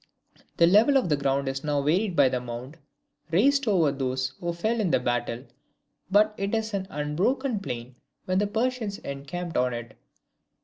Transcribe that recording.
The level of the ground is now varied by the mound raised over those who fell in the battle, but it was an unbroken plain when the Persians encamped on it.